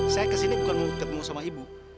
saya kesini bukan mau ketemu sama ibu